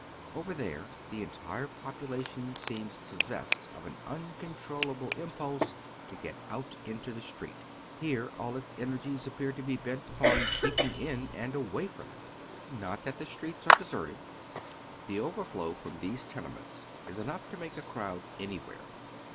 Over there the entire population seems possessed of an uncontrolla ble impulse to get out into the street ; here all its ener gies appear to be bent upon keeping in and away from it. Not that the streets are deserted. The overflow from these tenements is enough to make a crowd anywhere.